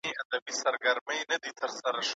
سپینې وسلې پاکستان ته صادرې شوې.